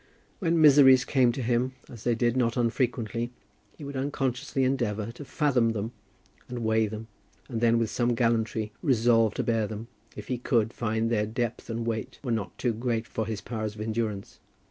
When miseries came to him, as they did not unfrequently, he would unconsciously endeavour to fathom them and weigh them, and then, with some gallantry, resolve to bear them, if he could find that their depth and weight were not too great for his powers of endurance.